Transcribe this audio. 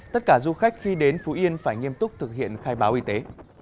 tất cả du khách khi đến phú yên phải nghiêm túc thực hiện khai báo y tế